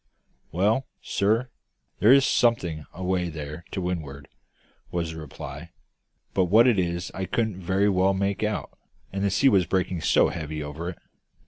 "Well, sir, there is something away there to windward," was the reply, "but what it is I couldn't very well make out, the sea was breaking so heavy over it.